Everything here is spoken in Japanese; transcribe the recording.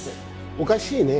「おかしいね」